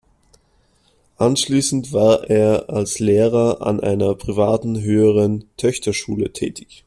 Anschließend war er als Lehrer an einer privaten Höheren Töchterschule tätig.